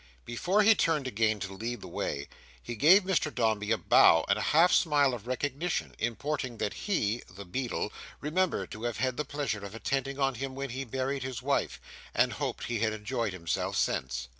Before he turned again to lead the way, he gave Mr Dombey a bow and a half smile of recognition, importing that he (the beadle) remembered to have had the pleasure of attending on him when he buried his wife, and hoped he had enjoyed himself since.